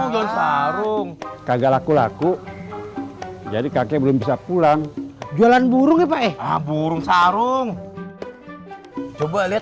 bagel aku laku laku jadi kakek belum bisa pulang dolan burung ya violent burung sarung coba lihat